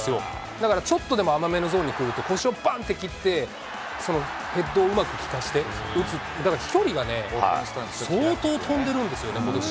だからちょっとでも甘めのゾーンにくると、腰をばんって切って、ヘッドをうまくきかして打つって、だから飛距離がね、相当飛んでるんですよね、ことし。